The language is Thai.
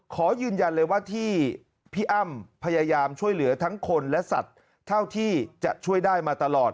ขอยืนยันเลยว่าที่พี่อ้ำพยายามช่วยเหลือทั้งคนและสัตว์เท่าที่จะช่วยได้มาตลอด